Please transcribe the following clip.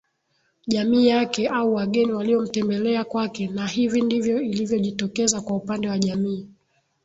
Jamii yake au wageni waliomtembelea kwake Na hivi ndivyo ilivyojitokeza kwa upande wa jamii